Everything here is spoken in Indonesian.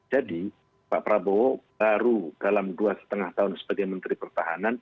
jadi pak prabowo baru dalam dua lima tahun sebagai menteri pertahanan